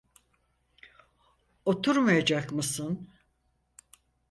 Oturmayacak mısın?